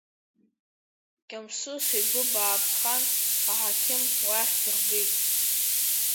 Кьамсыс игәы бааԥсхан аҳақьым лахь дыргеит.